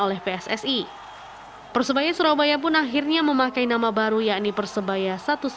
sejak tahun dua ribu tujuh persebaya surabaya pun akhirnya memakai nama baru yakni persebaya seribu sembilan ratus dua puluh tujuh